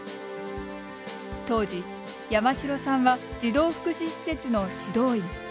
当時、山城さんは児童福祉施設の指導員。